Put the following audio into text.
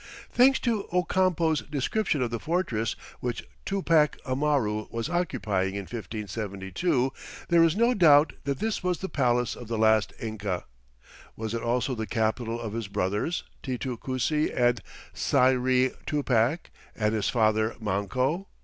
Thanks to Ocampo's description of the fortress which Tupac Amaru was occupying in 1572 there is no doubt that this was the palace of the last Inca. Was it also the capital of his brothers, Titu Cusi and Sayri Tupac, and his father, Manco?